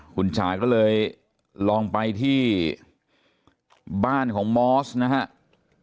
คุณจ๋าก็เลยลองไปที่บ้านของมอสนะครับ